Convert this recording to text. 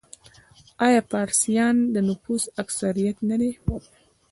آیا فارسیان د نفوس اکثریت نه دي؟